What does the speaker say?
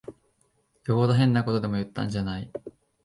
よほど変なことでも言ったんじゃない。